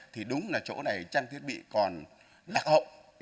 thì đúng là chỗ này trang thiết bị còn lạc hậu